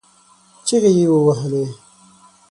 چغې يې ووهلې.